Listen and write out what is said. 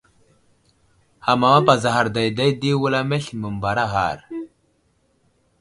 Ham amapazaghar dayday di wulam masli məmbaraghar.